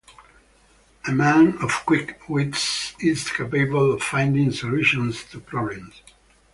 A man of quick wits, is capable of finding solutions to problems.